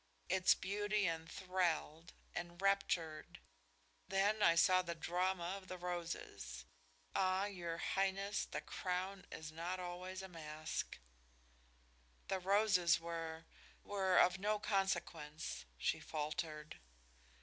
Its beauty enthralled, enraptured. Then I saw the drama of the roses. Ah, your Highness, the crown is not always a mask." "The roses were were of no consequence," she faltered.